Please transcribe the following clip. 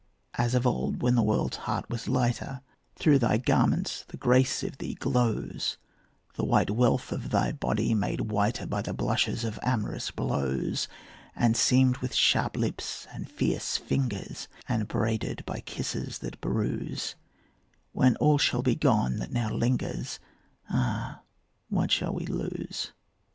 As of old when the world's heart was lighter, Through thy garments the grace of thee glows, The white wealth of thy body made whiter By the blushes of amorous blows, And seamed with sharp lips and fierce fingers, And branded by kisses that bruise; When all shall be gone that now lingers, Ah, what shall we lose?